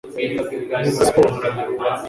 nkunda siporo